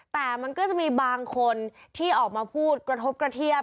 แต่มันก็จะมีบางคนที่ออกมาพูดกระทบกระเทียบ